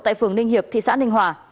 tại phường ninh hiệp thị xã ninh hòa